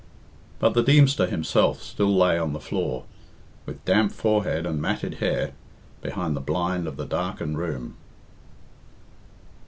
But the Deemster himself still lay on the floor, with damp forehead and matted hair, behind the blind of the darkened room.